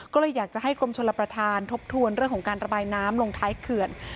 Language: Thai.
ก็เลยอยากจะให้กรมชลประธานทบทวนเรื่องของการระบายน้ำลงท้ายเขื่อน